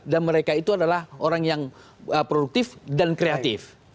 dan mereka itu adalah orang yang produktif dan kreatif